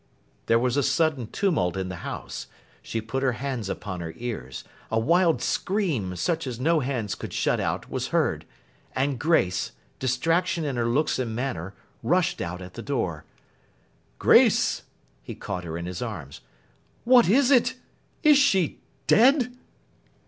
There was a sudden tumult in the house. She put her hands upon her ears. A wild scream, such as no hands could shut out, was heard; and Grace—distraction in her looks and manner—rushed out at the door. 'Grace!' He caught her in his arms. 'What is it! Is she dead!